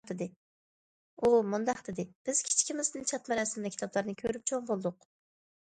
ئۇ مۇنداق دېدى: بىز كىچىكىمىزدىن چاتما رەسىملىك كىتابلارنى كۆرۈپ چوڭ بولدۇق.